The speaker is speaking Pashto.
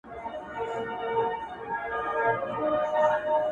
زه خاندم ، ته خاندې ، دى خاندي هغه هلته خاندي.